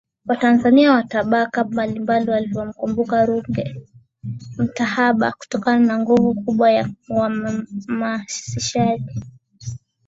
Watanzania wa tabaka mbalimbali walivyomkumbuka Ruge Mutahaba kutokana na nguvu kubwa ya uhamasishaji